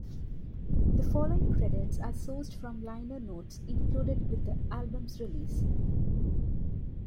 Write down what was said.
The following credits are sourced from liner notes included with the album's release.